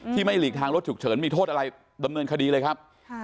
ไม่หลีกทางรถฉุกเฉินมีโทษอะไรดำเนินคดีเลยครับ